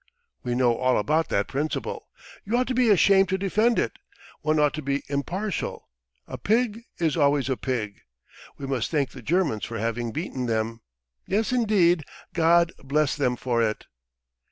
"We know all about that principle! You ought to be ashamed to defend it: one ought to be impartial: a pig is always a pig. ... We must thank the Germans for having beaten them. ... Yes indeed, God bless them for it."